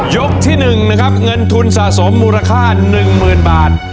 ที่๑นะครับเงินทุนสะสมมูลค่า๑๐๐๐บาท